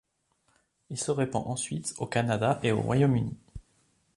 Il se répand ensuite au Canada et au Royaume-Uni.